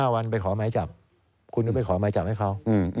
๑๕วันไปขอไหมจับคุณจะไปขอไหมจับให้เขา